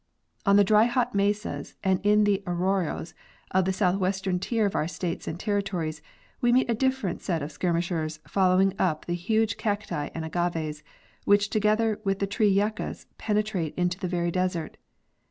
On the dry hot mesas and in the arroyos of tlte southwestern tier of our states and territories we meet a different set of skir mishers following up the huge cacti and agaves, which together with the tree yuccas, penetrate into the very desert.